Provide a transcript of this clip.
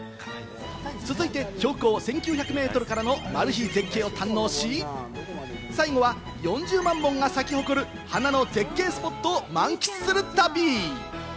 続いて標高１９００メートルからのマル秘絶景を堪能し、最後は４０万本が咲き誇る花の絶景スポットを満喫する旅。